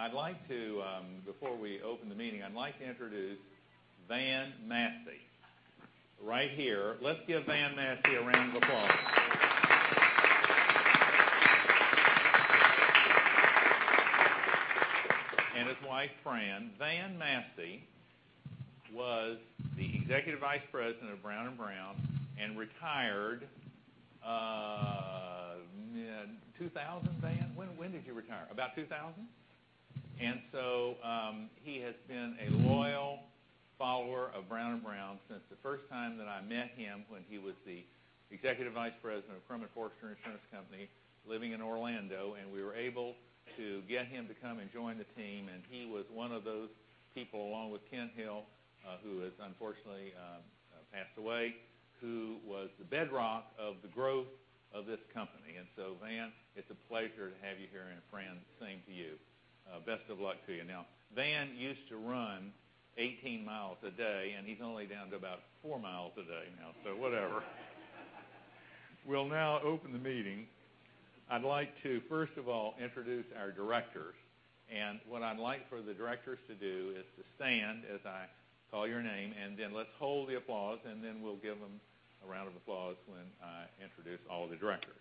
I'd like to, before we open the meeting, I'd like to introduce Van Massey right here. Let's give Van Massey a round of applause. His wife, Fran. Van Massey was the Executive Vice President of Brown & Brown and retired in 2000, Van? When did you retire? About 2000. He has been a loyal follower of Brown & Brown since the first time that I met him when he was the Executive Vice President of Crum & Forster Insurance Company living in Orlando, and we were able to get him to come and join the team. He was one of those people, along with Ken Hill, who has unfortunately passed away, who was the bedrock of the growth of this company. Van, it's a pleasure to have you here, and Fran, same to you. Best of luck to you. Van used to run 18 miles a day, and he's only down to about four miles a day now. Whatever. We'll now open the meeting. I'd like to, first of all, introduce our directors. What I'd like for the directors to do is to stand as I call your name, then let's hold the applause, then we'll give them a round of applause when I introduce all the directors.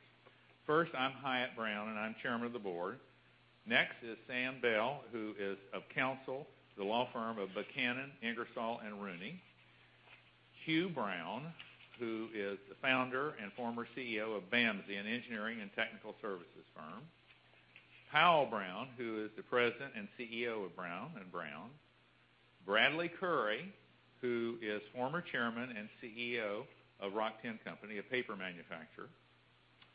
First, I'm Hyatt Brown, I'm Chairman of the Board. Next is Sam Bell, who is of counsel, the law firm of Buchanan Ingersoll & Rooney. Hugh Brown, who is the Founder and former CEO of BAMSI, an engineering and technical services firm. Powell Brown, who is the President and CEO of Brown & Brown. Bradley Currey, who is former Chairman and CEO of Rock-Tenn Company, a paper manufacturer.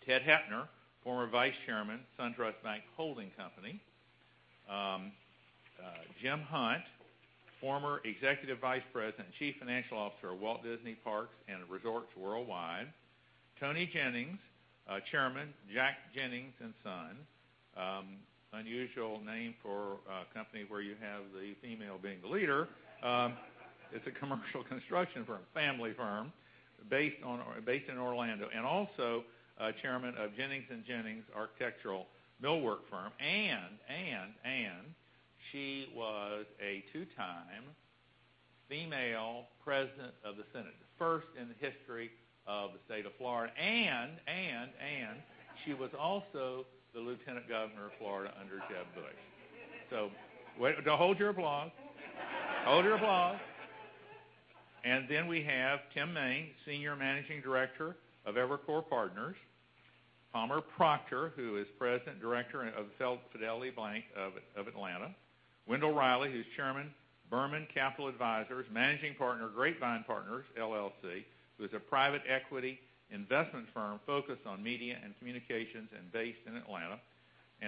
Ted Hoepner, former Vice Chairman, SunTrust Bank Holding Company. Jim Hunt, former Executive Vice President and Chief Financial Officer of Walt Disney Parks and Resorts Worldwide. Toni Jennings, Chairman, Jack Jennings & Sons. Unusual name for a company where you have the female being the leader. It's a commercial construction firm, family firm based in Orlando, and also Chairman of Jennings & Jennings. She was a two-time female President of the Senate, the first in the history of the State of Florida. She was also the Lieutenant Governor of Florida under Jeb Bush. Wait, hold your applause. Hold your applause. We have Tim Main, Senior Managing Director of Evercore Inc. Palmer Proctor, who is President, Director of Fidelity Bank of Atlanta. Wendell Reilly, who's Chairman, Berman Capital Management & Research, Managing Partner, Grapevine Partners LLC, who is a private equity investment firm focused on media and communications and based in Atlanta.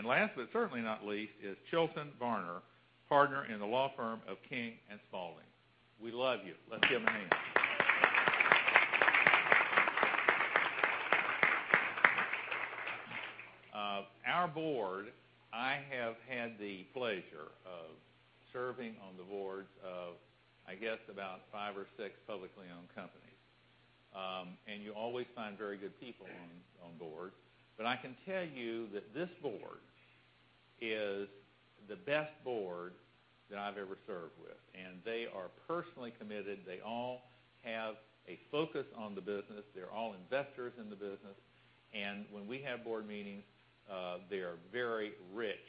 Last, but certainly not least, is Chilton Varner, Partner in the law firm of King & Spalding. We love you. Let's give him a hand. Our board, I have had the pleasure of serving on the boards of, I guess about five or six publicly owned companies. You always find very good people on board. I can tell you that this board is the best board that I've ever served with, they are personally committed. They all have a focus on the business. They're all investors in the business. When we have board meetings, they are very rich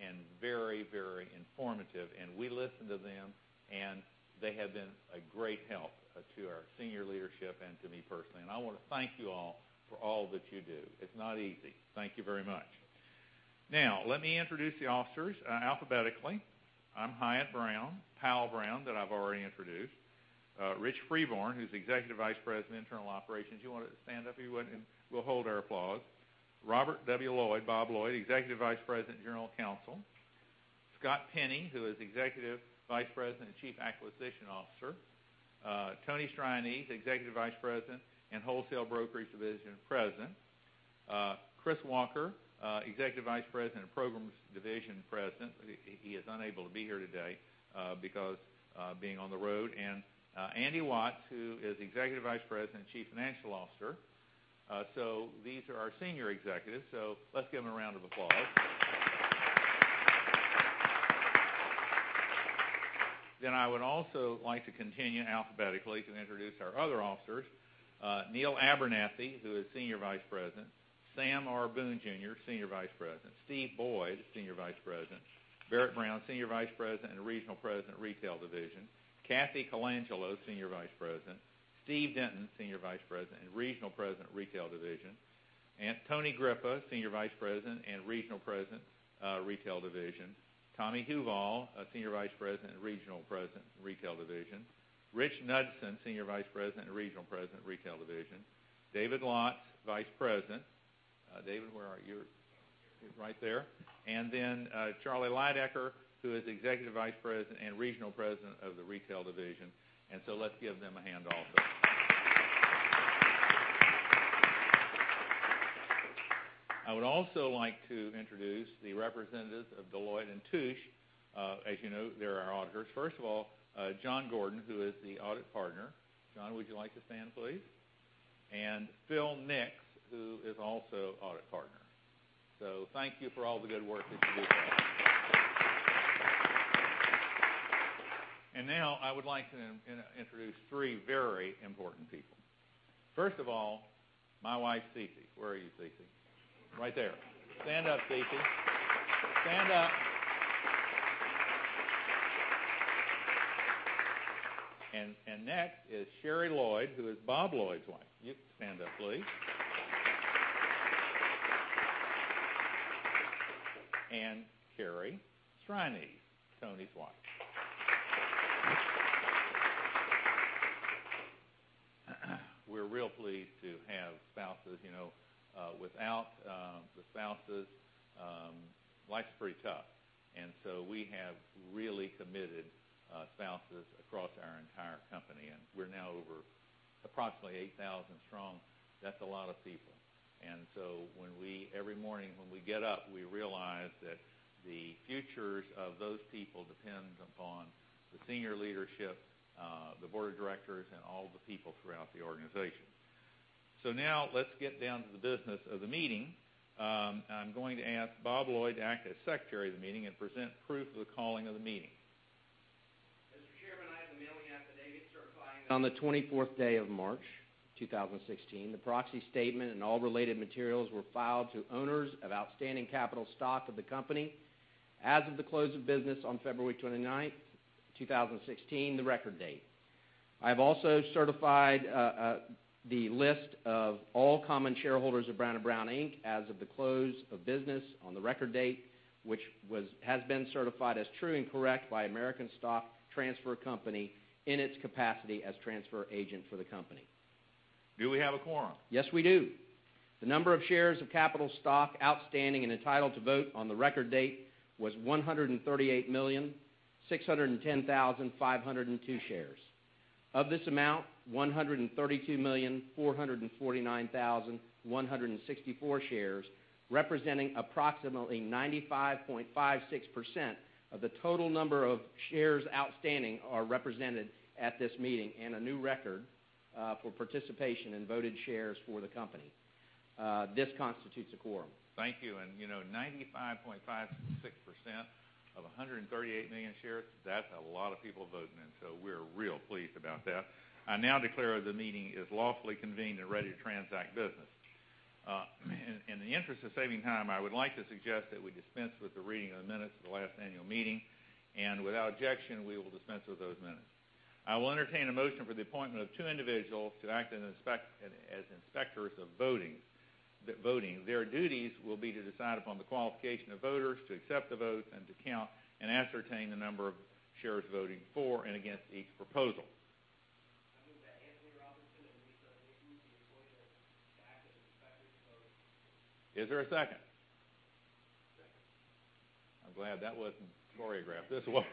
and very, very informative, and we listen to them, and they have been a great help to our senior leadership and to me personally. I want to thank you all for all that you do. It's not easy. Thank you very much. Now, let me introduce the officers alphabetically. I'm Hyatt Brown. Powell Brown, that I've already introduced. Rich Freebairn, who's Executive Vice President, internal operations. You wanted to stand up? You wouldn't, and we'll hold our applause. Robert W. Lloyd, Bob Lloyd, Executive Vice President and General Counsel. Scott Penny, who is Executive Vice President and Chief Acquisitions Officer. Tony Strianese, Executive Vice President and Wholesale Brokerage Division President. Chris Walker, Executive Vice President and Programs Division President. He is unable to be here today because being on the road. Andy Watts, who is Executive Vice President and Chief Financial Officer. These are our senior executives, so let's give them a round of applause. I would also like to continue alphabetically to introduce our other officers. Neal Abernathy, who is Senior Vice President. Sam R. Boone Jr., Senior Vice President. Steve Boyd, Senior Vice President. Barrett Brown, Senior Vice President and Regional President, Retail Division. Kathy Colangelo, Senior Vice President. Steve Denton, Senior Vice President and Regional President, Retail Division. Tony Grippa, Senior Vice President and Regional President, Retail Division. Tommy Huval, Senior Vice President and Regional President, Retail Division. Rich Knudson, Senior Vice President and Regional President, Retail Division. David Lotz, Vice President. David, where are you? Right here. Charlie Lydecker, who is Executive Vice President and Regional President of the Retail Division. Let's give them a hand also. I would also like to introduce the representatives of Deloitte & Touche. As you know, they're our auditors. First of all, John Gordon, who is the Audit Partner. John, would you like to stand, please? Phil Nix, who is also Audit Partner. Thank you for all the good work that you do for us. Now I would like to introduce three very important people. First of all, my wife, Cici. Where are you, Cici? Right there. Stand up, Cici. Stand up. Next is Sherri Lloyd, who is Bob Lloyd's wife. You can stand up, please. Carrie Strianese, Tony's wife. We're real pleased to have spouses. Without the spouses, life's pretty tough. We have really committed spouses across our entire company, and we're now over approximately 8,000 strong. That's a lot of people. Every morning when we get up, we realize that the futures of those people depends upon the senior leadership, the board of directors, and all the people throughout the organization. Now let's get down to the business of the meeting. I'm going to ask Bob Lloyd to act as secretary of the meeting and present proof of the calling of the meeting. Mr. Chairman, I have the mailing affidavit certifying that on the 24th day of March 2016, the proxy statement and all related materials were filed to owners of outstanding capital stock of the company as of the close of business on February 29, 2016, the record date. I have also certified the list of all common shareholders of Brown & Brown, Inc. as of the close of business on the record date, which has been certified as true and correct by American Stock Transfer Company in its capacity as transfer agent for the company. Do we have a quorum? Yes, we do. The number of shares of capital stock outstanding and entitled to vote on the record date was 138,610,502 shares. Of this amount, 132,449,164 shares, representing approximately 95.56% of the total number of shares outstanding, are represented at this meeting and a new record for participation in voted shares for the company. This constitutes a quorum. Thank you. 95.56% of 138 million shares, that's a lot of people voting, so we're real pleased about that. I now declare the meeting is lawfully convened and ready to transact business. In the interest of saving time, I would like to suggest that we dispense with the reading of the minutes of the last annual meeting. Without objection, we will dispense with those minutes. I will entertain a motion for the appointment of two individuals to act as inspectors of voting. Their duties will be to decide upon the qualification of voters, to accept the vote, and to count and ascertain the number of shares voting for and against each proposal. I move that Anthony Robinson and Lisa Nixon be appointed to act as inspectors of vote. Is there a second? Second. I'm glad. That wasn't choreographed. This was.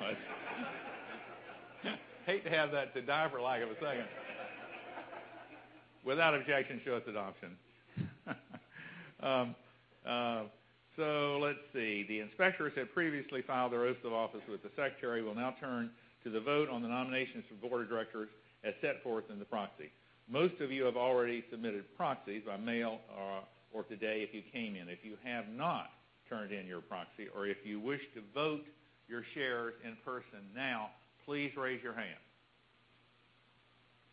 Hate to have that to die for lack of a second. Without objection, show its adoption. Let's see. The inspectors have previously filed their oaths of office with the secretary. We'll now turn to the vote on the nominations for board of directors as set forth in the proxy. Most of you have already submitted proxies by mail or today if you came in. If you have not turned in your proxy, or if you wish to vote your shares in person now, please raise your hand.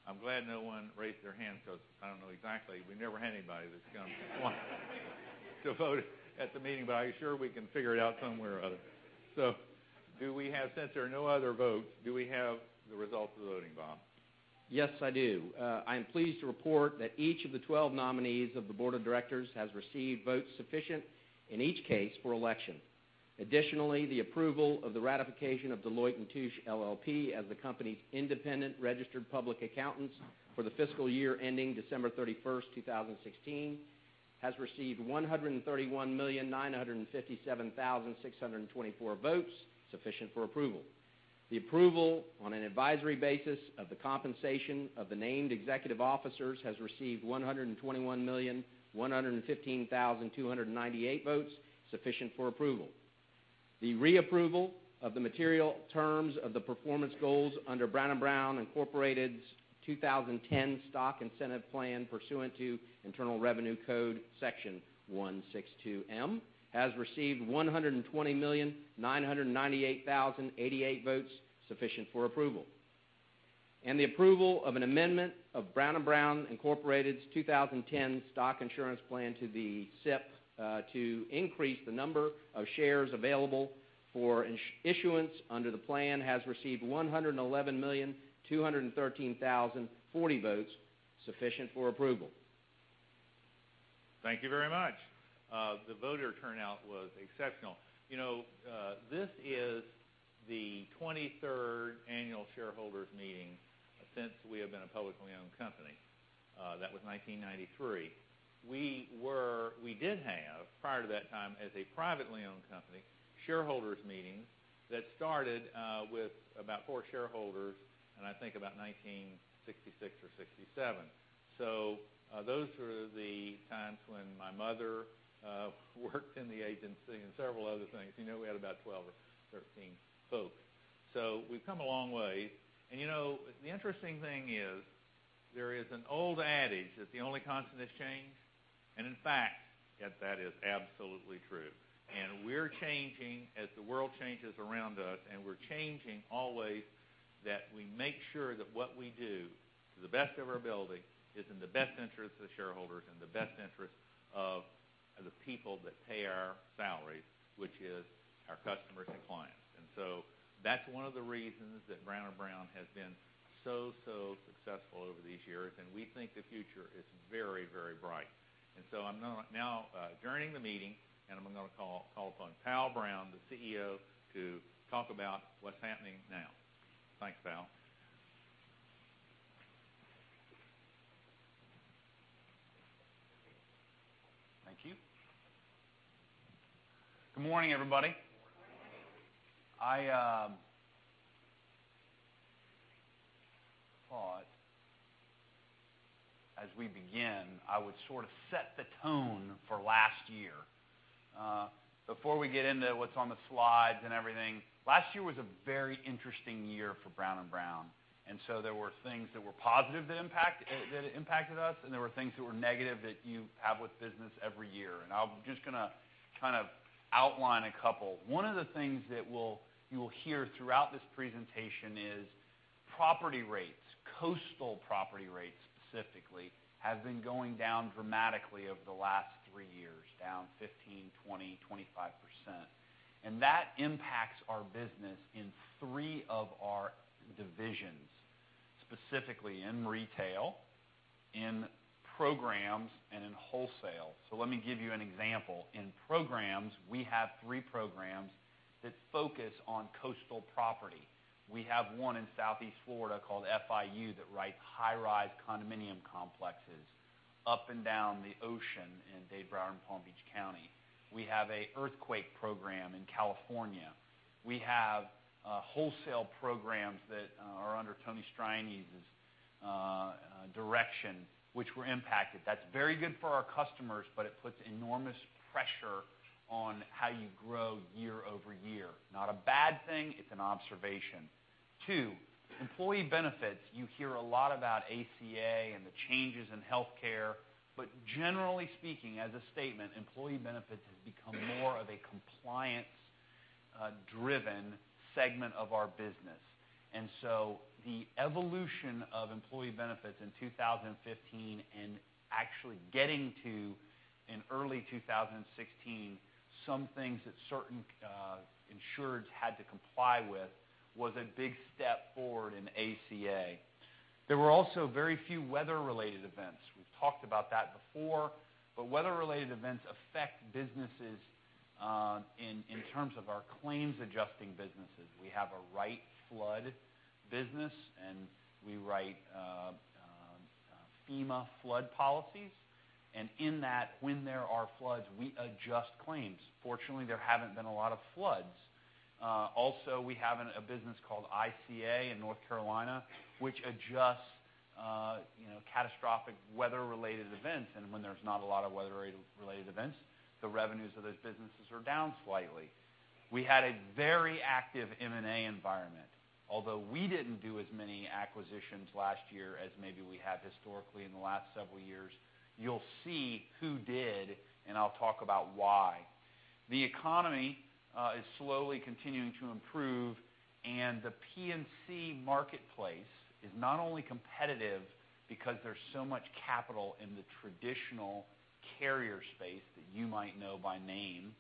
I'm glad no one raised their hand because I don't know exactly. We never had anybody that's to vote at the meeting, but I'm sure we can figure it out somewhere or other. Since there are no other votes, do we have the results of the voting, Bob? Yes, I do. I am pleased to report that each of the 12 nominees of the board of directors has received votes sufficient in each case for election. Additionally, the approval of the ratification of Deloitte & Touche LLP as the company's independent registered public accountants for the fiscal year ending December 31st, 2016, has received 131,957,624 votes, sufficient for approval. The approval on an advisory basis of the compensation of the named executive officers has received 121,115,298 votes, sufficient for approval. The reapproval of the material terms of the performance goals under Brown & Brown Incorporated's 2010 Stock Incentive Plan pursuant to Internal Revenue Code Section 162M has received 120,998,088 votes, sufficient for approval. The approval of an amendment of Brown & Brown Incorporated's 2010 Stock Incentive Plan to the SIP to increase the number of shares available for issuance under the plan has received 111,213,040 votes, sufficient for approval. Thank you very much. The voter turnout was exceptional. This is the 23rd annual shareholders meeting since we have been a publicly owned company. That was 1993. We did have, prior to that time, as a privately owned company, shareholders meetings that started with about four shareholders in I think about 1966 or '67. Those were the times when my mother worked in the agency and several other things. We had about 12 or 13 folks. We've come a long way. The interesting thing is there is an old adage that the only constant is change. In fact, that is absolutely true. We're changing as the world changes around us, and we're changing always that we make sure that what we do, to the best of our ability, is in the best interest of the shareholders and the best interest of the people that pay our salaries, which is our customers and clients. That's one of the reasons that Brown & Brown has been so successful over these years, and we think the future is very bright. I'm going to now adjourn the meeting, and I'm going to call upon Powell Brown, the CEO, to talk about what's happening now. Thanks, Powell. Thank you. Good morning, everybody. Good morning. I thought as we begin, I would sort of set the tone for last year. Before we get into what's on the slides and everything, last year was a very interesting year for Brown & Brown. There were things that were positive that impacted us, and there were things that were negative that you have with business every year. I'm just going to kind of outline a couple. One of the things that you will hear throughout this presentation is property rates, coastal property rates specifically, have been going down dramatically over the last three years, down 15%, 20%, 25%. That impacts our business in three of our divisions, specifically in retail, in programs, and in wholesale. Let me give you an example. In programs, we have three programs that focus on coastal property. We have one in Southeast Florida called FIU that writes high-rise condominium complexes up and down the ocean in Dade, Broward, and Palm Beach County. We have an earthquake program in California. We have wholesale programs that are under Tony Strianese's direction, which were impacted. That's very good for our customers, but it puts enormous pressure on how you grow year-over-year. Not a bad thing, it's an observation. Two. Employee benefits. You hear a lot about ACA and the changes in healthcare, but generally speaking, as a statement, employee benefits has become more of a compliance-driven segment of our business. The evolution of employee benefits in 2015 and actually getting to, in early 2016, some things that certain insurers had to comply with was a big step forward in ACA. There were also very few weather-related events. We've talked about that before. Weather-related events affect businesses in terms of our claims adjusting businesses. We have a Wright Flood business, and we write FEMA flood policies. In that, when there are floods, we adjust claims. Fortunately, there haven't been a lot of floods. Also, we have a business called ICA in North Carolina, which adjusts catastrophic weather-related events. When there's not a lot of weather-related events, the revenues of those businesses are down slightly. We had a very active M&A environment. Although we didn't do as many acquisitions last year as maybe we have historically in the last several years, you'll see who did and I'll talk about why. The economy is slowly continuing to improve and the P&C marketplace is not only competitive because there's so much capital in the traditional carrier space that you might know by name,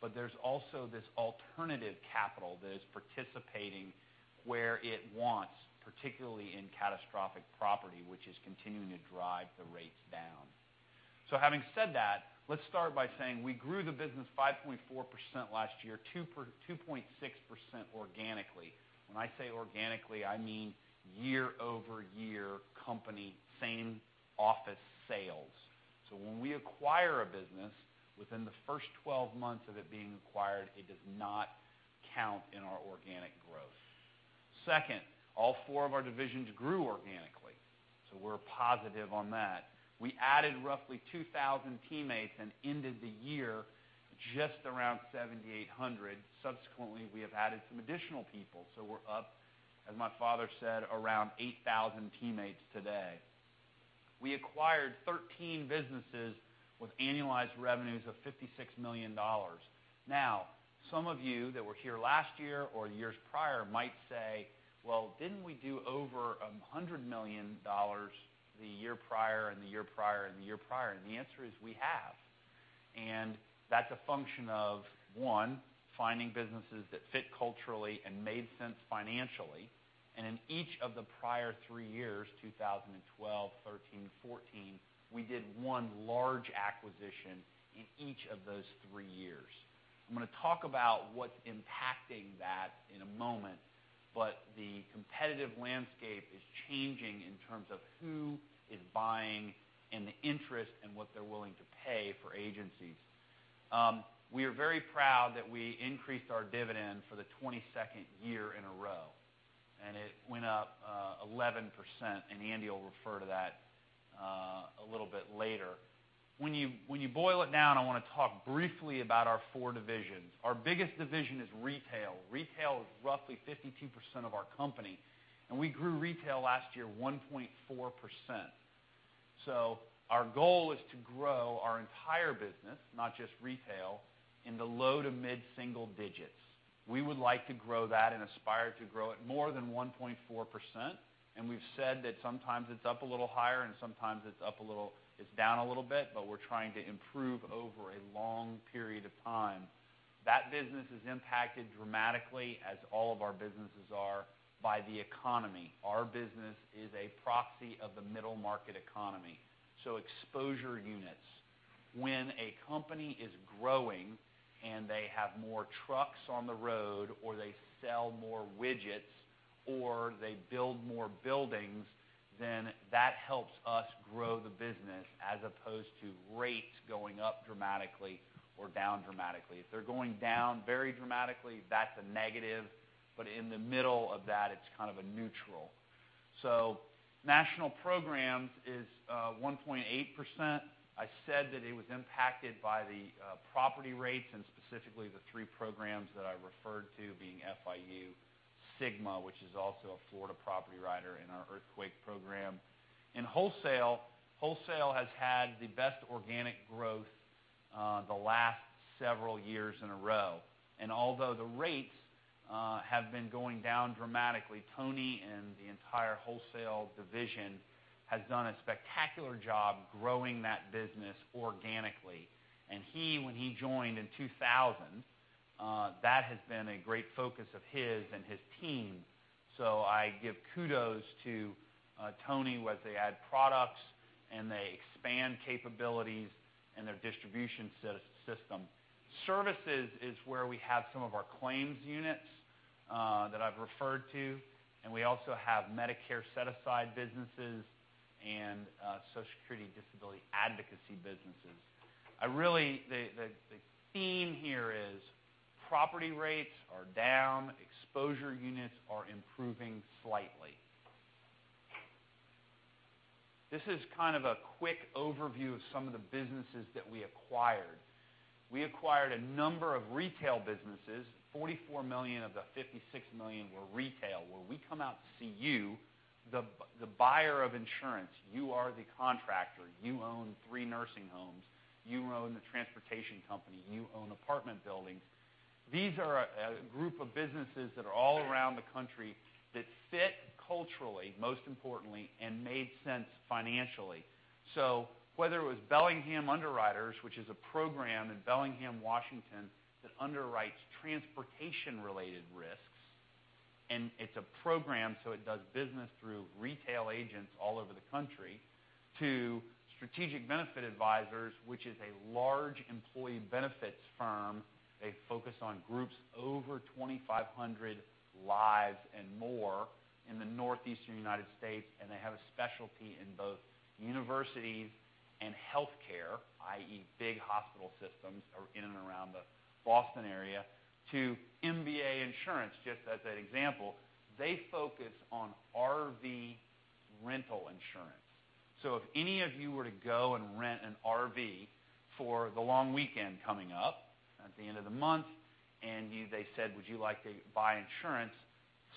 but there's also this alternative capital that is participating where it wants, particularly in catastrophic property, which is continuing to drive the rates down. Having said that, let's start by saying we grew the business 5.4% last year, 2.6% organically. When I say organically, I mean year-over-year company, same office sales. When we acquire a business, within the first 12 months of it being acquired, it does not count in our organic growth. Second, all four of our divisions grew organically, so we're positive on that. We added roughly 2,000 teammates and ended the year just around 7,800. Subsequently, we have added some additional people. We're up, as my father said, around 8,000 teammates today. We acquired 13 businesses with annualized revenues of $56 million. Some of you that were here last year or years prior might say, well, didn't we do over $100 million the year prior and the year prior and the year prior? The answer is we have, and that's a function of, one, finding businesses that fit culturally and made sense financially. In each of the prior three years, 2012, 2013, 2014, we did one large acquisition in each of those three years. I'm going to talk about what's impacting that in a moment. The competitive landscape is changing in terms of who is buying and the interest and what they're willing to pay for agencies. We are very proud that we increased our dividend for the 22nd year in a row. It went up 11%, and Andy will refer to that a little bit later. When you boil it down, I want to talk briefly about our four divisions. Our biggest division is retail. Retail is roughly 52% of our company, and we grew retail last year 1.4%. Our goal is to grow our entire business, not just retail, in the low to mid-single digits. We would like to grow that and aspire to grow it more than 1.4%, and we've said that sometimes it's up a little higher and sometimes it's down a little bit. We're trying to improve over a long period of time. That business is impacted dramatically as all of our businesses are by the economy. Our business is a proxy of the middle market economy, exposure units. When a company is growing and they have more trucks on the road or they sell more widgets or they build more buildings, that helps us grow the business as opposed to rates going up dramatically or down dramatically. If they're going down very dramatically, that's a negative, but in the middle of that, it's kind of a neutral. National Programs is 1.8%. I said that it was impacted by the property rates and specifically the three programs that I referred to, being FIU, Sigma, which is also a Florida property writer in our earthquake program. In Wholesale has had the best organic growth the last several years in a row. Although the rates have been going down dramatically, Tony and the entire Wholesale division has done a spectacular job growing that business organically. He, when he joined in 2000, that has been a great focus of his and his team. I give kudos to Tony, as they add products and they expand capabilities in their distribution system. Services is where we have some of our claims units that I've referred to, and we also have Medicare Set-Aside businesses and Social Security disability advocacy businesses. The theme here is property rates are down, exposure units are improving slightly. This is kind of a quick overview of some of the businesses that we acquired. We acquired a number of retail businesses, $44 million of the $56 million were retail, where we come out to see you, the buyer of insurance. You are the contractor. You own three nursing homes. You own the transportation company. You own apartment buildings. These are a group of businesses that are all around the country that fit culturally, most importantly, and made sense financially. Whether it was Bellingham Underwriters, which is a program in Bellingham, Washington, that underwrites transportation related risks, and it's a program, it does business through retail agents all over the country, to Strategic Benefits Advisors, which is a large employee benefits firm. They focus on groups over 2,500 lives and more in the Northeastern United States, and they have a specialty in both universities and healthcare, i.e., big hospital systems in and around the Boston area, to MBA Insurance, just as an example. They focus on RV rental insurance. If any of you were to go and rent an RV for the long weekend coming up at the end of the month, and they said, "Would you like to buy insurance?"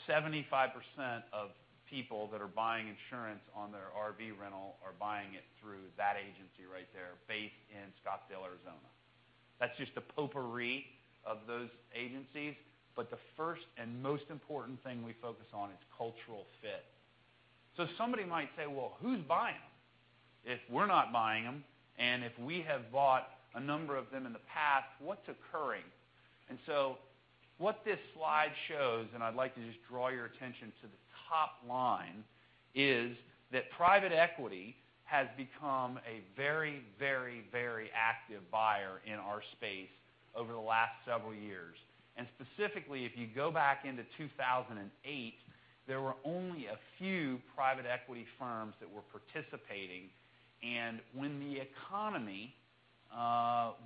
75% of people that are buying insurance on their RV rental are buying it through that agency right there based in Scottsdale, Arizona. That's just a potpourri of those agencies, the first and most important thing we focus on is cultural fit. Somebody might say, "Well, who's buying them? If we're not buying them, and if we have bought a number of them in the past, what's occurring?" What this slide shows, and I'd like to just draw your attention to the top line, is that private equity has become a very active buyer in our space over the last several years. Specifically, if you go back into 2008, there were only a few private equity firms that were participating. When the economy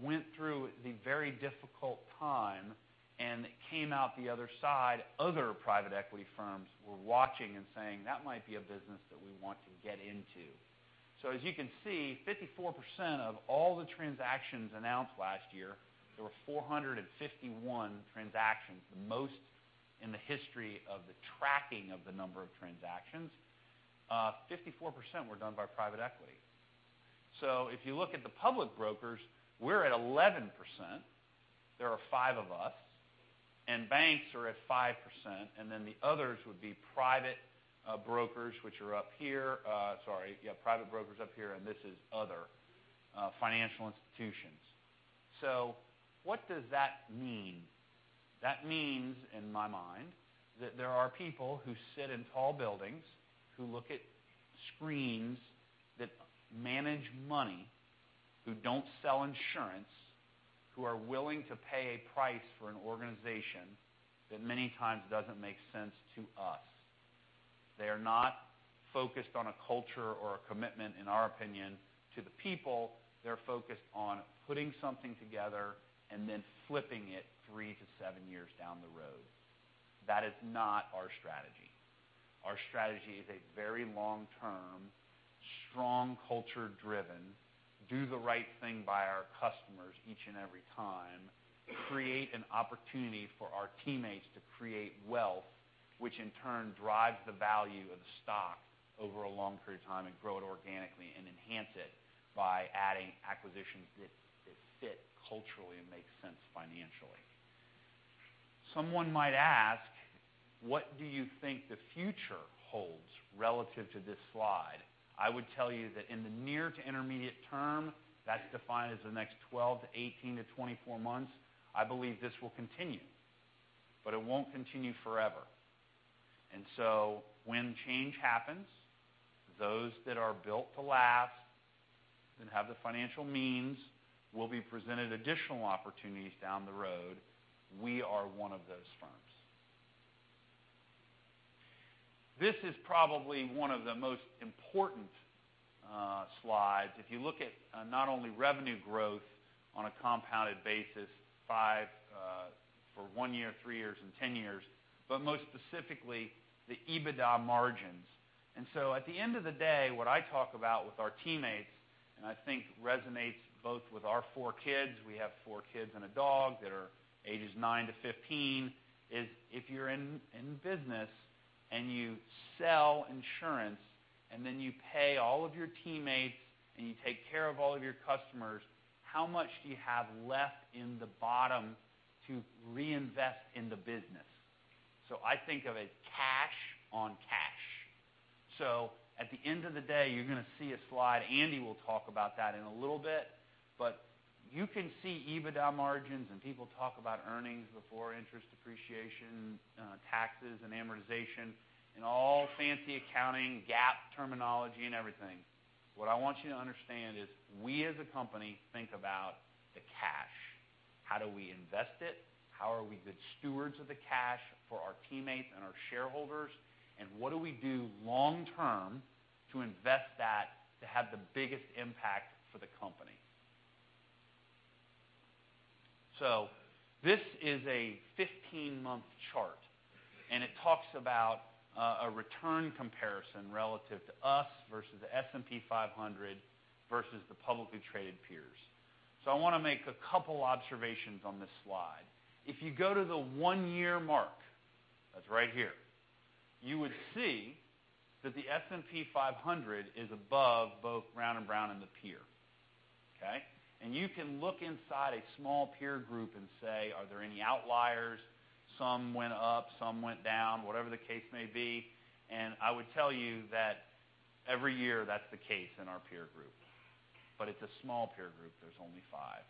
went through the very difficult time and came out the other side, other private equity firms were watching and saying, "That might be a business that we want to get into." As you can see, 54% of all the transactions announced last year, there were 451 transactions, the most in the history of the tracking of the number of transactions, 54% were done by private equity. If you look at the public brokers, we're at 11%, there are five of us, and banks are at 5%, and then the others would be private brokers, which are up here. Sorry, private brokers up here, and this is other financial institutions. What does that mean? That means, in my mind, that there are people who sit in tall buildings, who look at screens, that manage money, who don't sell insurance, who are willing to pay a price for an organization that many times doesn't make sense to us. They are not focused on a culture or a commitment, in our opinion, to the people, they're focused on putting something together and then flipping it three to seven years down the road. That is not our strategy. Our strategy is a very long-term, strong culture driven, do the right thing by our customers each and every time, create an opportunity for our teammates to create wealth, which in turn drives the value of the stock over a long period of time, and grow it organically and enhance it by adding acquisitions that fit culturally and make sense financially. Someone might ask, "What do you think the future holds relative to this slide?" I would tell you that in the near to intermediate term, that's defined as the next 12 to 18 to 24 months, I believe this will continue. It won't continue forever. When change happens, those that are built to last and have the financial means will be presented additional opportunities down the road. We are one of those firms. This is probably one of the most important slides. If you look at not only revenue growth on a compounded basis for one year, three years and 10 years, but most specifically, the EBITDA margins. At the end of the day, what I talk about with our teammates and I think resonates both with our four kids, we have four kids and a dog that are ages nine to 15, is if you're in business and you sell insurance, and then you pay all of your teammates, and you take care of all of your customers, how much do you have left in the bottom to reinvest in the business? I think of it cash on cash. At the end of the day, you're going to see a slide, Andy will talk about that in a little bit, but you can see EBITDA margins and people talk about earnings before interest, depreciation, taxes, and amortization, and all fancy accounting, GAAP terminology and everything. What I want you to understand is we as a company think about the cash. How do we invest it? How are we good stewards of the cash for our teammates and our shareholders? What do we do long-term to invest that to have the biggest impact for the company? This is a 15-month chart, and it talks about a return comparison relative to us versus the S&P 500 versus the publicly traded peers. I want to make a couple observations on this slide. If you go to the one-year mark, that's right here, you would see that the S&P 500 is above both Brown & Brown and the peer. Okay. You can look inside a small peer group and say, "Are there any outliers?" Some went up, some went down, whatever the case may be. I would tell you that every year that's the case in our peer group. It's a small peer group. There's only five.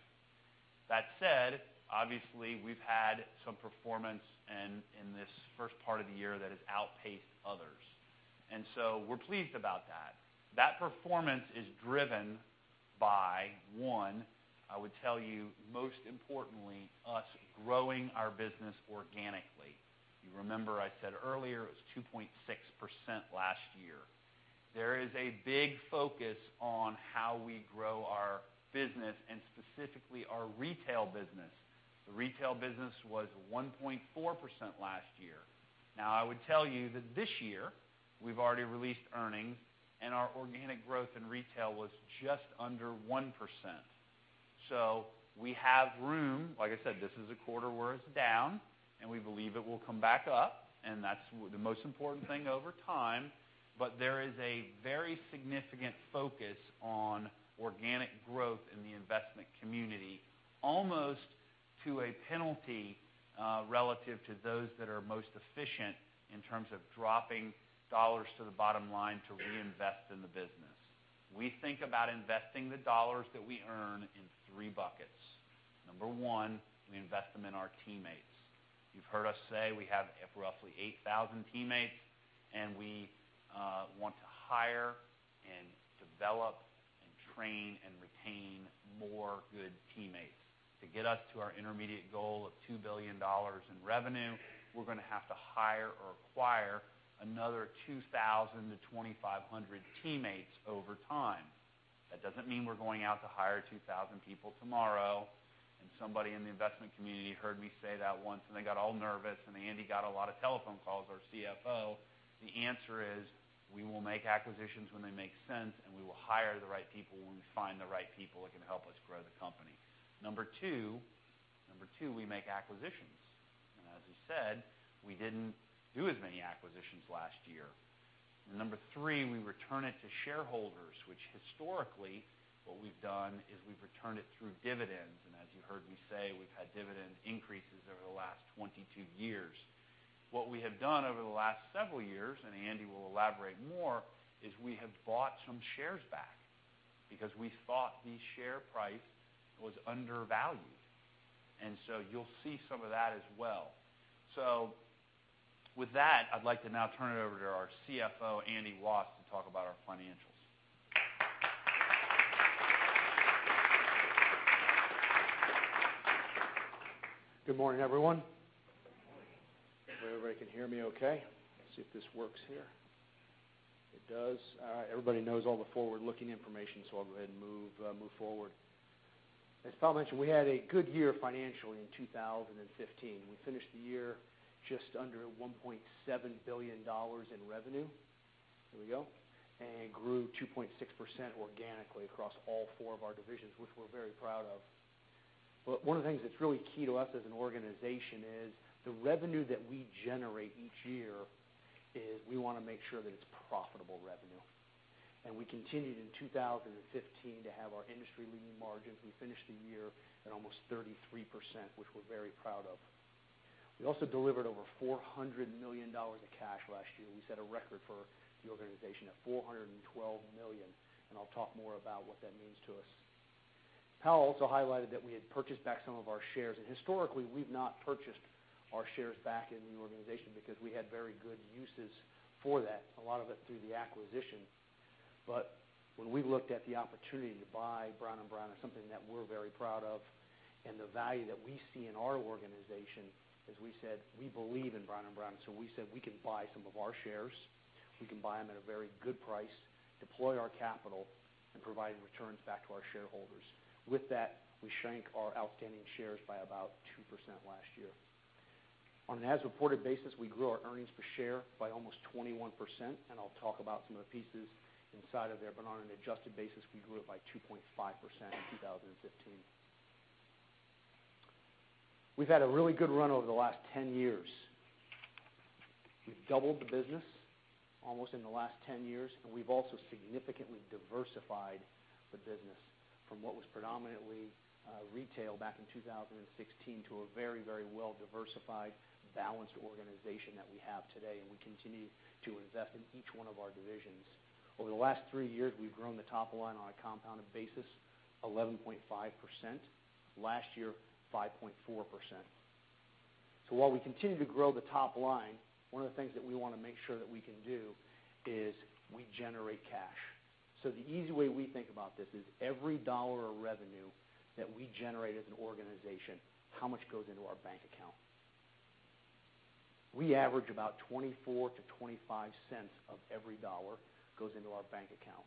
That said, obviously, we've had some performance in this first part of the year that has outpaced others. We're pleased about that. That performance is driven by one, I would tell you, most importantly, us growing our business organically. If you remember I said earlier, it was 2.6% last year. There is a big focus on how we grow our business and specifically our retail business. The retail business was 1.4% last year. I would tell you that this year we've already released earnings and our organic growth in retail was just under 1%. We have room. Like I said, this is a quarter where it's down. We believe it will come back up. That's the most important thing over time. There is a very significant focus on organic growth in the investment community, almost to a penalty, relative to those that are most efficient in terms of dropping dollars to the bottom line to reinvest in the business. We think about investing the dollars that we earn in three buckets. Number one, we invest them in our teammates. You've heard us say we have roughly 8,000 teammates. We want to hire and develop and train and retain more good teammates. To get us to our intermediate goal of $2 billion in revenue, we're going to have to hire or acquire another 2,000-2,500 teammates over time. That doesn't mean we're going out to hire 2,000 people tomorrow. Somebody in the investment community heard me say that once. They got all nervous. Andy got a lot of telephone calls, our CFO. The answer is, we will make acquisitions when they make sense. We will hire the right people when we find the right people that can help us grow the company. Number two, we make acquisitions. As we said, we didn't do as many acquisitions last year. Number three, we return it to shareholders, which historically what we've done is we've returned it through dividends. As you heard me say, we've had dividend increases over the last 22 years. What we have done over the last several years, Andy will elaborate more, is we have bought some shares back because we thought the share price was undervalued. You'll see some of that as well. With that, I'd like to now turn it over to our CFO, Andy Watts, to talk about our financials Good morning, everyone. Good morning. Hope everybody can hear me okay. Let's see if this works here. It does. Everybody knows all the forward-looking information, I'll go ahead and move forward. As Powell mentioned, we had a good year financially in 2015. We finished the year just under $1.7 billion in revenue. Here we go. Grew 2.6% organically across all four of our divisions, which we're very proud of. One of the things that's really key to us as an organization is the revenue that we generate each year, is we want to make sure that it's profitable revenue. We continued in 2015 to have our industry-leading margins. We finished the year at almost 33%, which we're very proud of. We also delivered over $400 million of cash last year. We set a record for the organization of $412 million, and I'll talk more about what that means to us. Powell also highlighted that we had purchased back some of our shares, historically, we've not purchased our shares back in the organization because we had very good uses for that, a lot of it through the acquisition. When we looked at the opportunity to buy Brown & Brown as something that we're very proud of and the value that we see in our organization, as we said, we believe in Brown & Brown, we said we can buy some of our shares, we can buy them at a very good price, deploy our capital, and provide returns back to our shareholders. With that, we shrank our outstanding shares by about 2% last year. On an as-reported basis, we grew our earnings per share by almost 21%. I'll talk about some of the pieces inside of there, but on an adjusted basis, we grew it by 2.5% in 2015. We've had a really good run over the last 10 years. We've doubled the business almost in the last 10 years, we've also significantly diversified the business from what was predominantly retail back in 2016 to a very, very well-diversified, balanced organization that we have today, we continue to invest in each one of our divisions. Over the last three years, we've grown the top line on a compounded basis 11.5%. Last year, 5.4%. While we continue to grow the top line, one of the things that we want to make sure that we can do is we generate cash. The easy way we think about this is every dollar of revenue that we generate as an organization, how much goes into our bank account? We average about $0.24-$0.25 of every dollar goes into our bank account.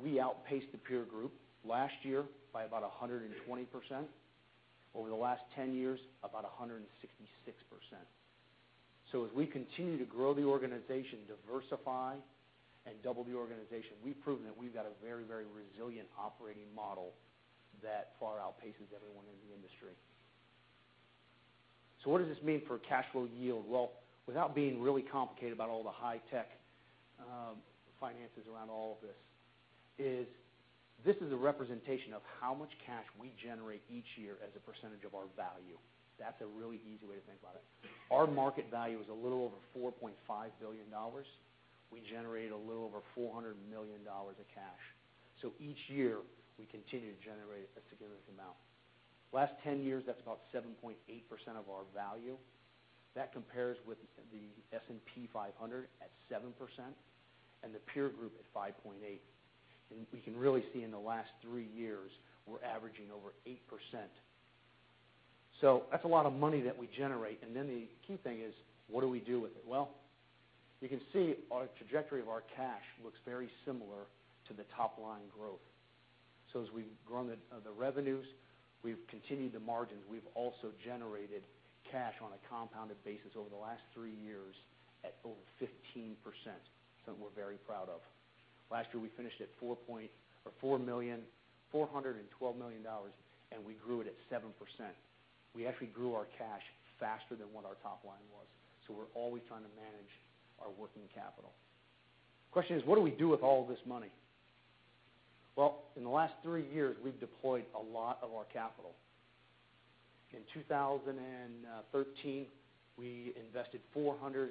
We outpaced the peer group last year by about 120%. Over the last 10 years, about 166%. As we continue to grow the organization, diversify and double the organization, we've proven that we've got a very, very resilient operating model that far outpaces everyone in the industry. What does this mean for cash flow yield? Well, without being really complicated about all the high-tech finances around all of this, is this is a representation of how much cash we generate each year as a percentage of our value. That's a really easy way to think about it. Our market value is a little over $4.5 billion. We generate a little over $400 million of cash. Each year, we continue to generate a significant amount. Last 10 years, that's about 7.8% of our value. That compares with the S&P 500 at 7% and the peer group at 5.8%. We can really see in the last three years, we're averaging over 8%. That's a lot of money that we generate, then the key thing is, what do we do with it? Well, you can see our trajectory of our cash looks very similar to the top-line growth. As we've grown the revenues, we've continued the margins. We've also generated cash on a compounded basis over the last three years at over 15%, something we're very proud of. Last year, we finished at $412 million, we grew it at 7%. We actually grew our cash faster than what our top line was. We're always trying to manage our working capital. Question is, what do we do with all this money? Well, in the last three years, we've deployed a lot of our capital. In 2013, we invested $437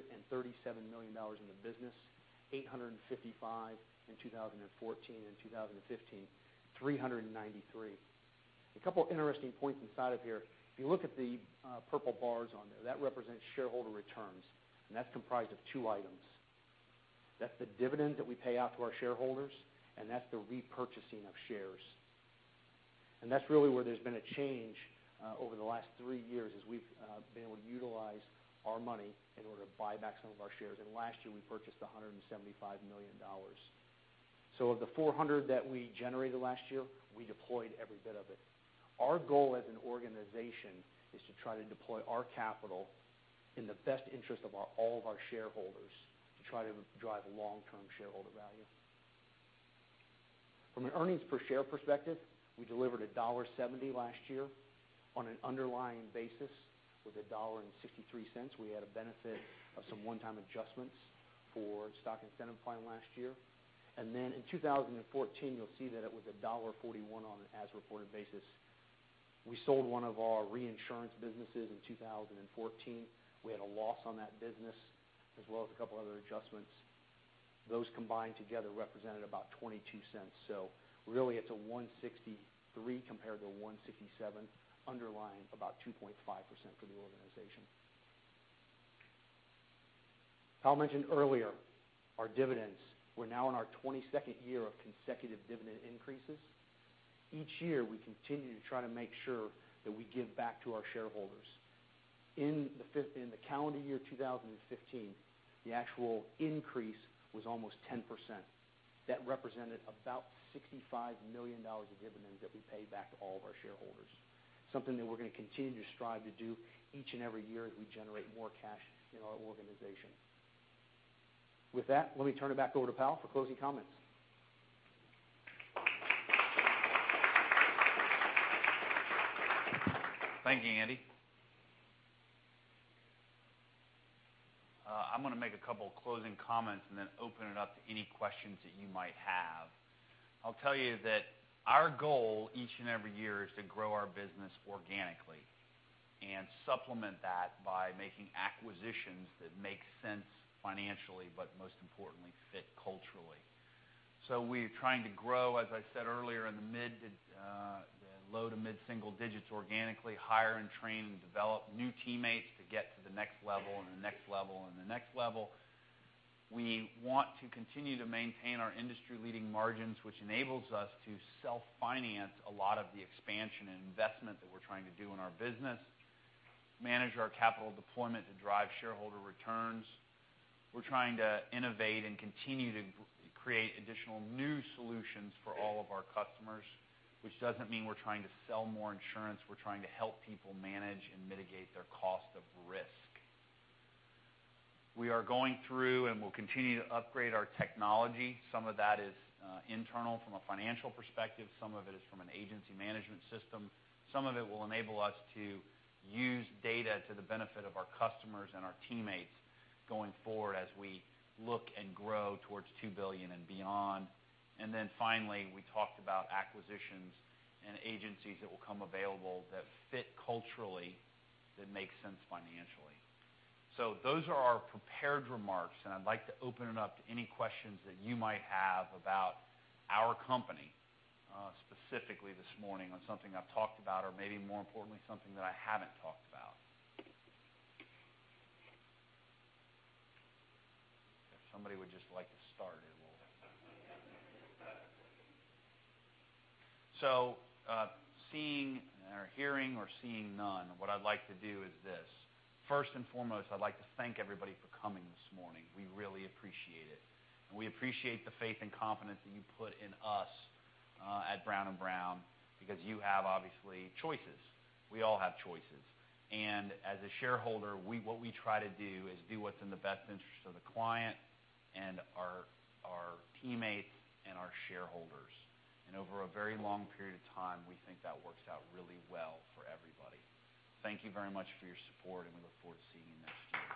million in the business. $855 million in 2014. In 2015, $393 million. A couple of interesting points inside of here. If you look at the purple bars on there, that represents shareholder returns, that's comprised of two items. That's the dividend that we pay out to our shareholders, that's the repurchasing of shares. That's really where there's been a change, over the last three years, as we've been able to utilize our money in order to buy back some of our shares. Last year, we purchased $175 million. Of the $400 million that we generated last year, we deployed every bit of it. Our goal as an organization is to try to deploy our capital in the best interest of all of our shareholders to try to drive long-term shareholder value. From an earnings per share perspective, we delivered $1.70 last year. On an underlying basis with $1.63, we had a benefit of some one-time adjustments for stock incentive plan last year. In 2014, you'll see that it was $1.41 on an as-reported basis. We sold one of our reinsurance businesses in 2014. We had a loss on that business as well as a couple of other adjustments. Those combined together represented about $0.22. So really it's a $1.63 compared to $1.67, underlying about 2.5% growth. Powell mentioned earlier our dividends. We're now in our 22nd year of consecutive dividend increases. Each year, we continue to try to make sure that we give back to our shareholders. In the calendar year 2015, the actual increase was almost 10%. That represented about $65 million in dividends that we paid back to all of our shareholders. Something that we're going to continue to strive to do each and every year as we generate more cash in our organization. With that, let me turn it back over to Powell for closing comments. Thank you, Andy. I'm going to make a couple closing comments and then open it up to any questions that you might have. I'll tell you that our goal each and every year is to grow our business organically and supplement that by making acquisitions that make sense financially, but most importantly, fit culturally. We're trying to grow, as I said earlier, in the low to mid single digits organically, hire and train and develop new teammates to get to the next level and the next level and the next level. We want to continue to maintain our industry-leading margins, which enables us to self-finance a lot of the expansion and investment that we're trying to do in our business, manage our capital deployment to drive shareholder returns. We're trying to innovate and continue to create additional new solutions for all of our customers, which doesn't mean we're trying to sell more insurance. We're trying to help people manage and mitigate their cost of risk. We are going through and will continue to upgrade our technology. Some of that is internal from a financial perspective. Some of it is from an agency management system. Some of it will enable us to use data to the benefit of our customers and our teammates going forward as we look and grow towards $2 billion and beyond. Finally, we talked about acquisitions and agencies that will come available that fit culturally, that make sense financially. Those are our prepared remarks. I'd like to open it up to any questions that you might have about our company, specifically this morning on something I've talked about or maybe more importantly, something that I haven't talked about. If somebody would just like to start it. Hearing or seeing none, what I'd like to do is this. First and foremost, I'd like to thank everybody for coming this morning. We really appreciate it, and we appreciate the faith and confidence that you put in us at Brown & Brown, because you have, obviously, choices. We all have choices. As a shareholder, what we try to do is do what's in the best interest of the client and our teammates and our shareholders. Over a very long period of time, we think that works out really well for everybody. Thank you very much for your support. We look forward to seeing you next year.